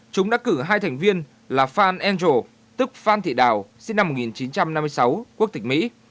chúng đã cử hai thành viên là fan angel tức phan thị đào sinh năm một nghìn chín trăm năm mươi sáu quốc tịch mỹ